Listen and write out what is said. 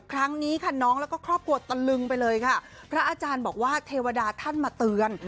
ครั้งนี้ค่ะน้องแล้วก็ครอบครัวตะลึงไปเลยค่ะพระอาจารย์บอกว่าเทวดาท่านมาเตือน